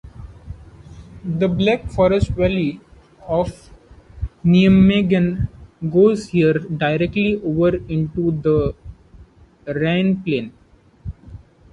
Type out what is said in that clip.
The Black Forest valley of Neumagen goes here directly over into the Rhine plain.